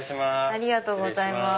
ありがとうございます。